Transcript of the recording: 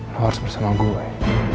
lo harus bersama gue